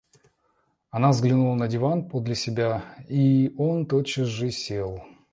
Она взглянула на диван подле себя, и он тотчас же сел.